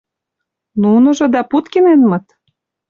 Нуныжо да Путкиненмыт?